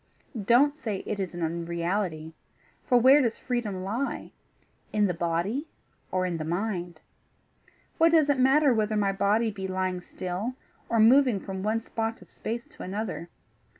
Don't say it is an unreality for where does freedom lie? In the body or in the mind? What does it matter whether my body be lying still or moving from one spot of space to another?